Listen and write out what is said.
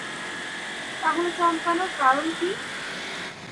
তাহলে চমকানোর কারণ কি?